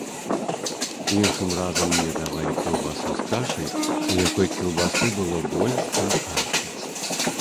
Іншым разам мне давалі кілбасу з кашай, у якой кілбасы было больш, чым кашы.